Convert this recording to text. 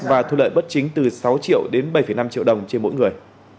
và thu lợi bất chính từ sáu triệu đến bảy năm triệu đồng trên mỗi người